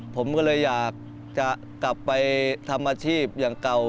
ผมก็เลยอยากจะกลับไปทำอาชีพอย่างเก่า